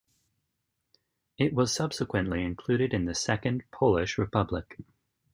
It was subsequently included in the Second Polish Republic.